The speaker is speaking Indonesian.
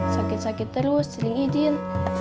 sakit sakit terus sering izin